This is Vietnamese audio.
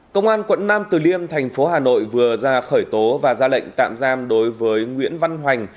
công an quận nam từ liêm thành phố hà nội vừa ra khởi tố và ra lệnh tạm giam đối với nguyễn văn hoành